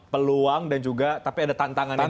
peluang dan juga tapi ada tantangan